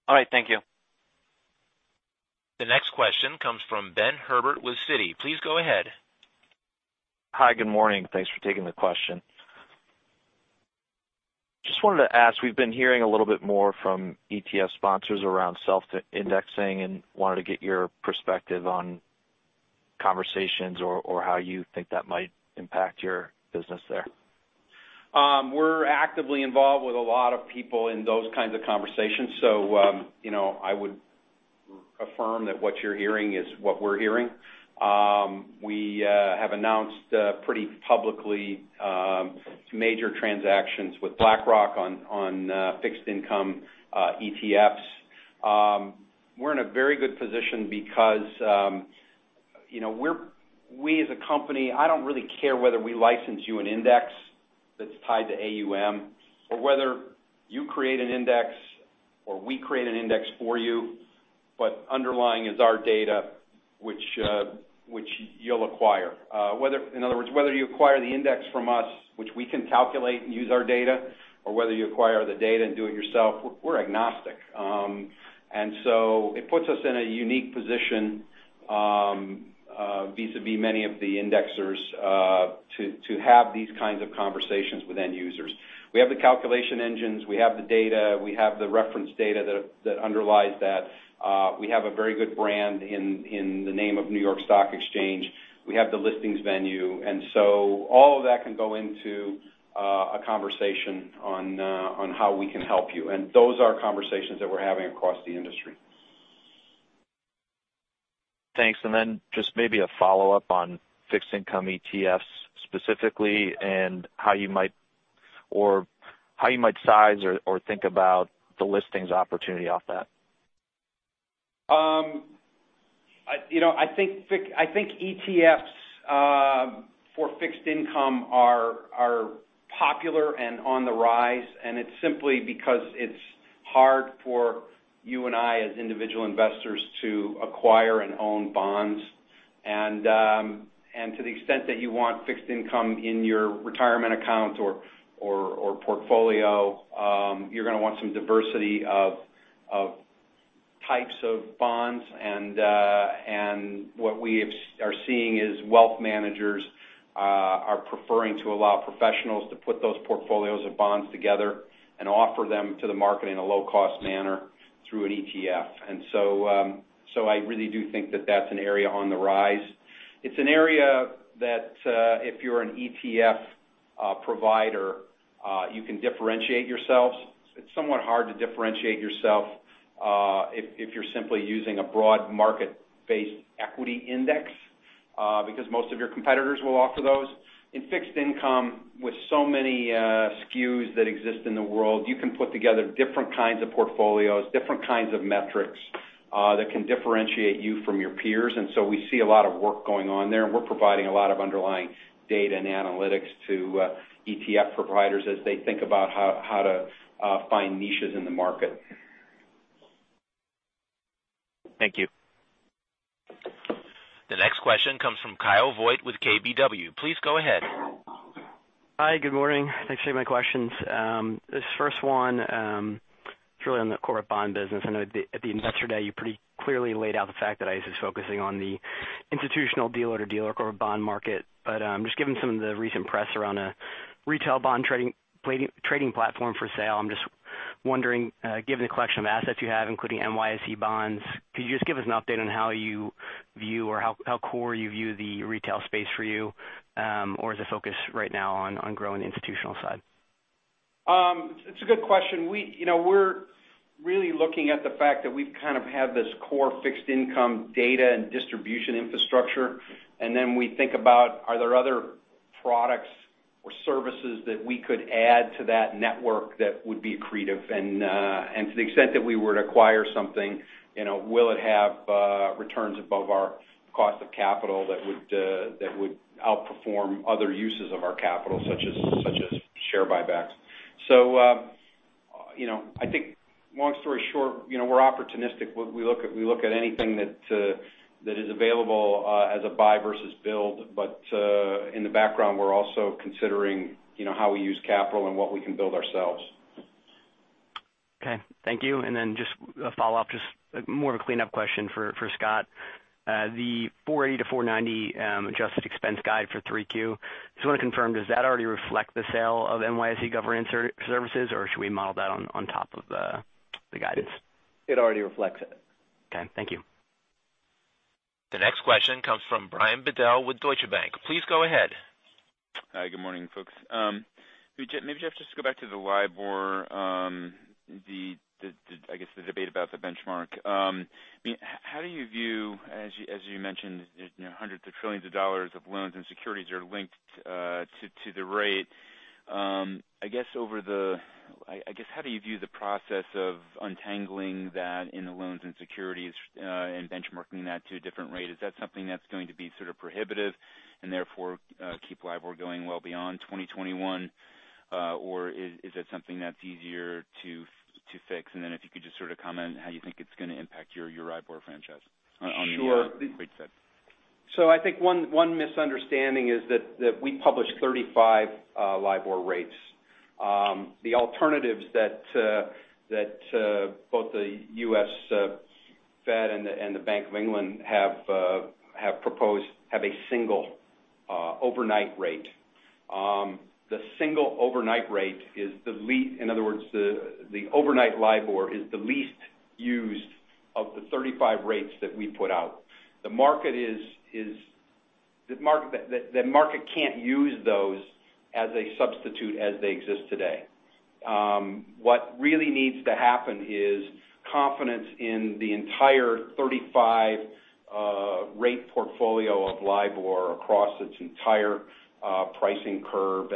All right. Thank you. The next question comes from Benjamin Herbert with Citi. Please go ahead. Hi. Good morning. Thanks for taking the question. Just wanted to ask, we've been hearing a little bit more from ETF sponsors around self-indexing and wanted to get your perspective on conversations or how you think that might impact your business there. We're actively involved with a lot of people in those kinds of conversations. I would affirm that what you're hearing is what we're hearing. We have announced pretty publicly, some major transactions with BlackRock on fixed income ETFs. We're in a very good position because we, as a company, I don't really care whether we license you an index that's tied to AUM or whether you create an index, or we create an index for you. Underlying is our data, which you'll acquire. In other words, whether you acquire the index from us, which we can calculate and use our data, or whether you acquire the data and do it yourself, we're agnostic. It puts us in a unique position vis-a-vis many of the indexers, to have these kinds of conversations with end users. We have the calculation engines. We have the data. We have the reference data that underlies that. We have a very good brand in the name of New York Stock Exchange. We have the listings venue. All of that can go into a conversation on how we can help you. Those are conversations that we're having across the industry. Thanks. Just maybe a follow-up on fixed income ETFs specifically and how you might size or think about the listings opportunity off that. I think ETFs for fixed income are popular and on the rise, it's simply because it's hard for you and I, as individual investors, to acquire and own bonds. To the extent that you want fixed income in your retirement account or portfolio, you're going to want some diversity of types of bonds. What we are seeing is wealth managers are preferring to allow professionals to put those portfolios of bonds together and offer them to the market in a low-cost manner through an ETF. I really do think that that's an area on the rise. It's an area that, if you're an ETF provider, you can differentiate yourselves. It's somewhat hard to differentiate yourself if you're simply using a broad market-based equity index, because most of your competitors will offer those. In fixed income, with so many SKUs that exist in the world, you can put together different kinds of portfolios, different kinds of metrics that can differentiate you from your peers. So we see a lot of work going on there, and we're providing a lot of underlying data and analytics to ETF providers as they think about how to find niches in the market. Thank you. The next question comes from Kyle Voigt with KBW. Please go ahead. Hi, good morning. Thanks for taking my questions. This first one, it's really on the corporate bond business. I know at the Investor Day, you pretty clearly laid out the fact that ICE is focusing on the institutional dealer to dealer corporate bond market. Just given some of the recent press around a retail bond trading platform for sale, I'm just wondering, given the collection of assets you have, including NYSE Bonds, could you just give us an update on how you view or how core you view the retail space for you? Or is the focus right now on growing the institutional side? It's a good question. We're really looking at the fact that we've kind of had this core fixed income data and distribution infrastructure. Then we think about, are there other products or services that we could add to that network that would be accretive? To the extent that we were to acquire something, will it have returns above our cost of capital that would outperform other uses of our capital, such as share buybacks. I think long story short, we're opportunistic. We look at anything that is available as a buy versus build. In the background, we're also considering how we use capital and what we can build ourselves. Okay. Thank you. Just a follow-up, just more of a cleanup question for Scott. The $4.80-$4.90 adjusted expense guide for 3Q, just want to confirm, does that already reflect the sale of NYSE Governance Services, or should we model that on top of the guidance? It already reflects it. Okay, thank you. The next question comes from Brian Bedell with Deutsche Bank. Please go ahead. Hi. Good morning, folks. I guess, Jeff, just to go back to the LIBOR, I guess the debate about the benchmark. How do you view, as you mentioned, hundreds of trillions of dollars of loans and securities are linked to the rate? I guess, how do you view the process of untangling that in the loans and securities, and benchmarking that to a different rate? Is that something that's going to be sort of prohibitive, and therefore, keep LIBOR going well beyond 2021? Or is that something that's easier to fix? If you could just sort of comment on how you think it's going to impact your LIBOR franchise? Sure On the rate side. I think one misunderstanding is that we publish 35 LIBOR rates. The alternatives that both the U.S. Fed and the Bank of England have proposed have a single overnight rate. The single overnight rate is the least. In other words, the overnight LIBOR is the least used of the 35 rates that we put out. The market can't use those as a substitute as they exist today. What really needs to happen is confidence in the entire 35 rate portfolio of LIBOR across its entire pricing curve,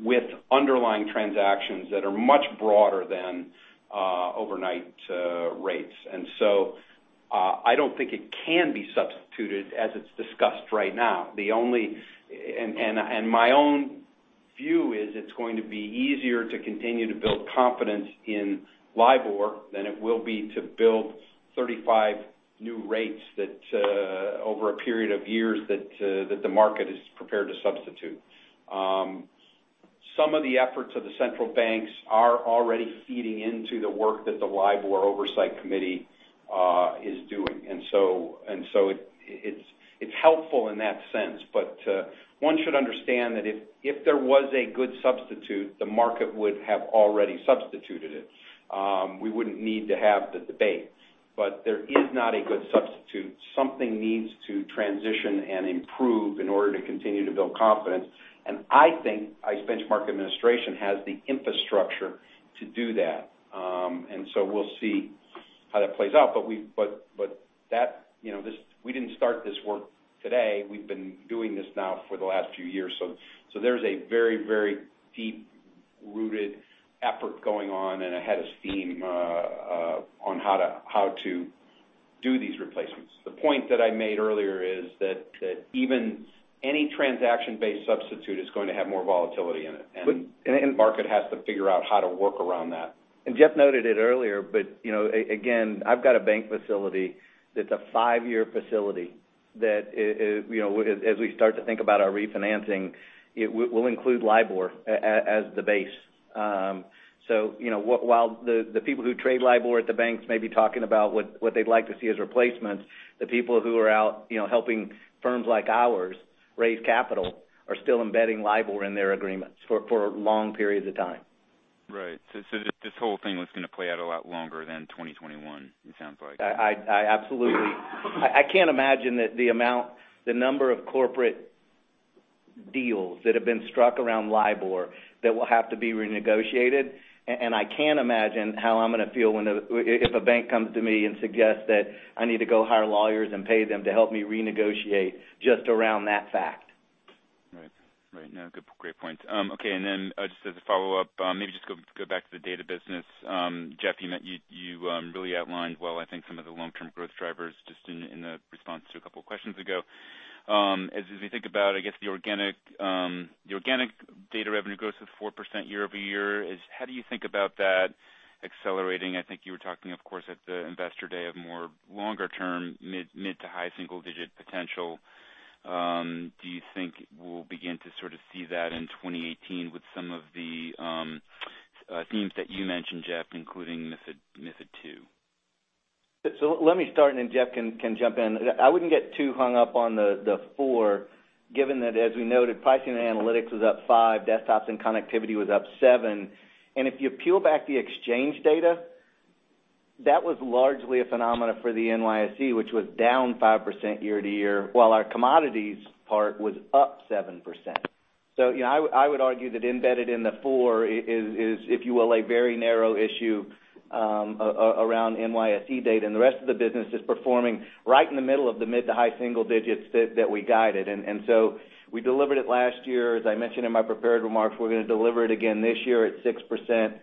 with underlying transactions that are much broader than overnight rates. I don't think it can be substituted as it's discussed right now. My own view is it's going to be easier to continue to build confidence in LIBOR than it will be to build 35 new rates that over a period of years, that the market is prepared to substitute. Some of the efforts of the central banks are already feeding into the work that the LIBOR Oversight Committee is doing. It's helpful in that sense. One should understand that if there was a good substitute, the market would have already substituted it. We wouldn't need to have the debate. There is not a good substitute. Something needs to transition and improve in order to continue to build confidence, and I think ICE Benchmark Administration has the infrastructure to do that. We'll see how that plays out. We didn't start this work today. We've been doing this now for the last few years. There's a very deep-rooted effort going on and a head of steam on how to do these replacements. The point that I made earlier is that any transaction-based substitute is going to have more volatility in it. But- The market has to figure out how to work around that. Jeff noted it earlier, but again, I've got a bank facility that's a 5-year facility that as we start to think about our refinancing, will include LIBOR as the base. While the people who trade LIBOR at the banks may be talking about what they'd like to see as replacements, the people who are out helping firms like ours raise capital are still embedding LIBOR in their agreements for long periods of time. Right. This whole thing was going to play out a lot longer than 2021, it sounds like. I absolutely. I can't imagine that the number of corporate deals that have been struck around LIBOR that will have to be renegotiated, and I can't imagine how I'm going to feel if a bank comes to me and suggests that I need to go hire lawyers and pay them to help me renegotiate just around that fact. Right. No, great points. Just as a follow-up, maybe just go back to the data business. Jeff, you really outlined well, I think, some of the long-term growth drivers just in the response to a couple of questions ago. As we think about, I guess, the organic data revenue growth of 4% year-over-year, how do you think about that accelerating? I think you were talking, of course, at the investor day of more longer-term, mid to high single-digit potential. Do you think we'll begin to sort of see that in 2018 with some of the themes that you mentioned, Jeff, including MiFID II? Let me start, and then Jeff Sprecher can jump in. I wouldn't get too hung up on the 4%, given that, as we noted, pricing and analytics was up 5%, desktops and connectivity was up 7%. If you peel back the exchange data, that was largely a phenomenon for the NYSE, which was down 5% year-over-year, while our commodities part was up 7%. I would argue that embedded in the 4% is, if you will, a very narrow issue around NYSE data, and the rest of the business is performing right in the middle of the mid to high single digits that we guided. We delivered it last year. As I mentioned in my prepared remarks, we're going to deliver it again this year at 6%.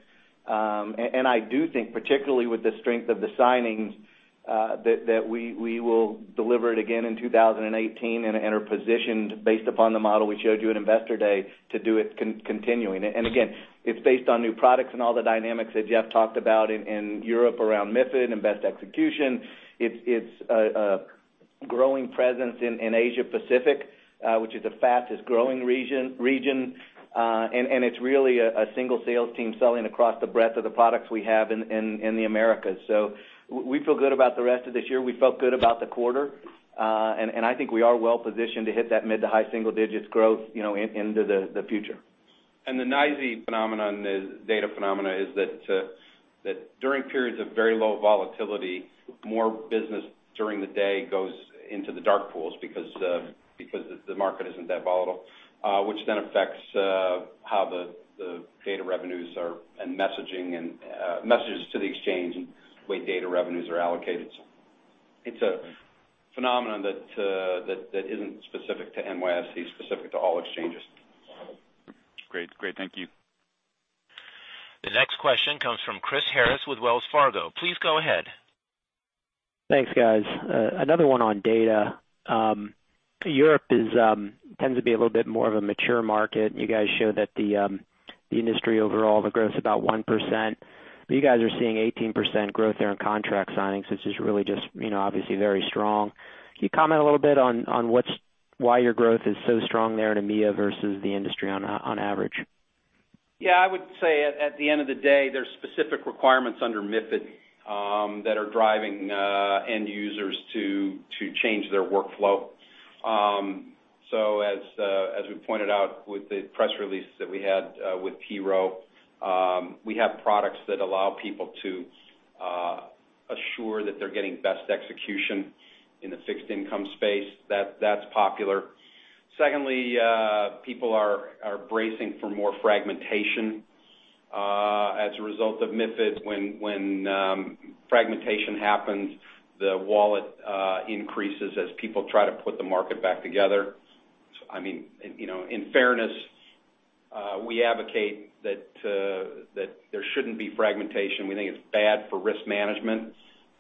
I do think, particularly with the strength of the signings, that we will deliver it again in 2018 and are positioned based upon the model we showed you at Investor Day to do it continuing. Again, it's based on new products and all the dynamics that Jeff Sprecher talked about in Europe around MiFID and best execution. It's a growing presence in Asia Pacific, which is the fastest-growing region. It's really a single sales team selling across the breadth of the products we have in the Americas. We feel good about the rest of this year. We felt good about the quarter. I think we are well-positioned to hit that mid to high single digits growth into the future. The NYSE phenomenon, the data phenomenon is that during periods of very low volatility, more business during the day goes into the dark pools because the market isn't that volatile, which then affects how the data revenues are, and messaging, and messages to the exchange and the way data revenues are allocated. It's a phenomenon that isn't specific to NYSE, specific to all exchanges. Great. Thank you. The next question comes from Chris Harris with Wells Fargo. Please go ahead. Thanks, guys. Another one on data. Europe tends to be a little bit more of a mature market. You guys show that the industry overall, the growth's about 1%, but you guys are seeing 18% growth there in contract signings, which is really just obviously very strong. Can you comment a little bit on why your growth is so strong there in EMEA versus the industry on average? Yeah, I would say at the end of the day, there's specific requirements under MiFID that are driving end users to change their workflow. As we pointed out with the press release that we had with T-Rowe, we have products that allow people to assure that they're getting best execution in the fixed income space. That's popular. Secondly, people are bracing for more fragmentation. As a result of MiFID, when fragmentation happens, the wallet increases as people try to put the market back together. In fairness, we advocate that there shouldn't be fragmentation. We think it's bad for risk management,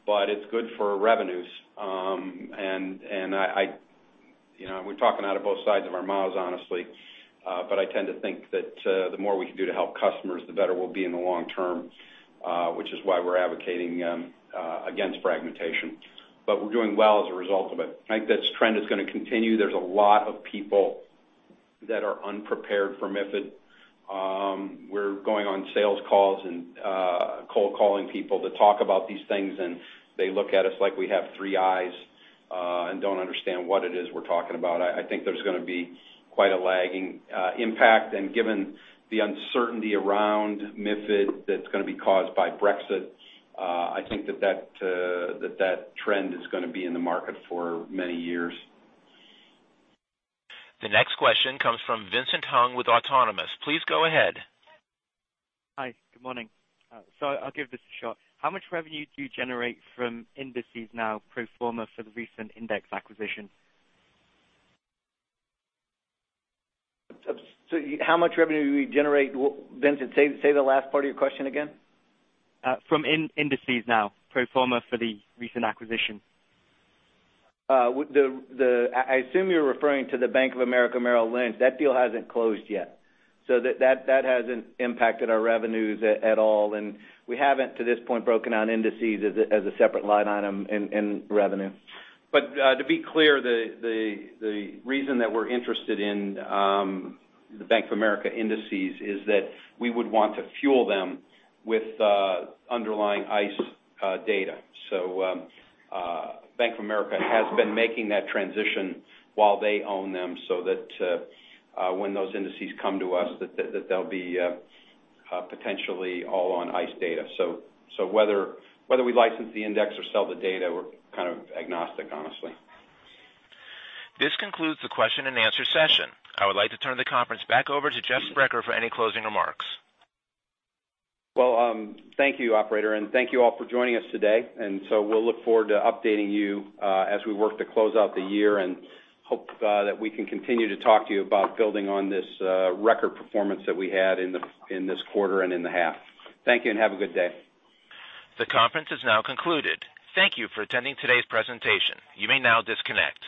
but it's good for revenues. We're talking out of both sides of our mouths, honestly, but I tend to think that the more we can do to help customers, the better we'll be in the long term, which is why we're advocating against fragmentation. We're doing well as a result of it. I think this trend is going to continue. There's a lot of people that are unprepared for MiFID. We're going on sales calls and cold calling people to talk about these things, and they look at us like we have three eyes and don't understand what it is we're talking about. I think there's going to be quite a lagging impact, and given the uncertainty around MiFID that's going to be caused by Brexit, I think that trend is going to be in the market for many years. The next question comes from Vincent Hung with Autonomous. Please go ahead. Hi, good morning. I'll give this a shot. How much revenue do you generate from indices now pro forma for the recent index acquisition? How much revenue do we generate Vincent, say the last part of your question again. From indices now, pro forma for the recent acquisition. I assume you're referring to the Bank of America Merrill Lynch. That deal hasn't closed yet. That hasn't impacted our revenues at all, and we haven't, to this point, broken out indices as a separate line item in revenue. To be clear, the reason that we're interested in the Bank of America indices is that we would want to fuel them with underlying ICE data. Bank of America has been making that transition while they own them, so that when those indices come to us, that they'll be potentially all on ICE data. Whether we license the index or sell the data, we're kind of agnostic, honestly. This concludes the question and answer session. I would like to turn the conference back over to Jeff Sprecher for any closing remarks. Well, thank you, operator, and thank you all for joining us today. We'll look forward to updating you, as we work to close out the year, and hope that we can continue to talk to you about building on this record performance that we had in this quarter and in the half. Thank you and have a good day. The conference is now concluded. Thank you for attending today's presentation. You may now disconnect.